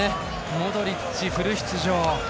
モドリッチ、フル出場。